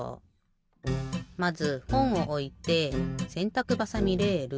まずほんをおいてせんたくばさみレール。